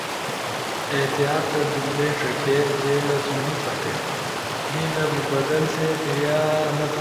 احتیاط ست جملئی ݜکے۔ جے لفظے نی پھتے۔ نی لفظ بدل تے۔ یا لفظ نی جمع تھے۔